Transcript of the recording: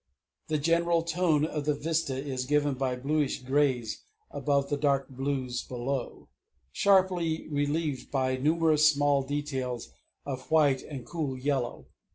The general tone of the vista is given by bluish greys above and dark blues below, sharply relieved by numerous small details of white and cool yellow.